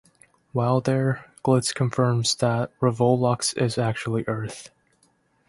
While there, Glitz confirms that Ravolox is actually Earth.